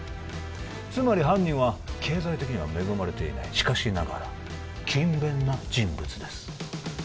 つまり犯人は経済的には恵まれていないしかしながら勤勉な人物です